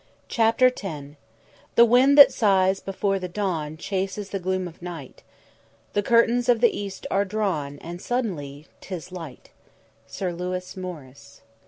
CHAPTER X "_The wind that sighs before the dawn Chases the gloom of night; The curtains of the East are drawn And suddenly 'tis light_." SIR LEWIS MORRIS.